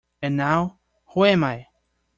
And now, who am I?